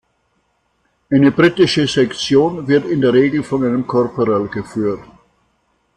Eine britische Section wird in der Regel von einem Corporal geführt.